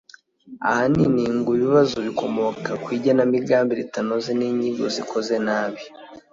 Ahanini ngo ibibazo bikomoka ku igenamigambi ritanoze n’inyigo zikoze nabi